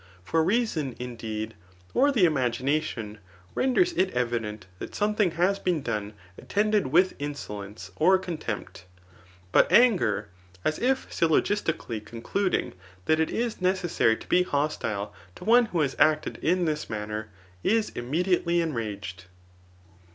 For reason, indeed, or the imaginatbn, renders it evident that something has been done attended with insolence or contempt ; but anger, as if syllogistically concluding that it is necessary to be hostile to one who has acted in this manner, is immediately enraged.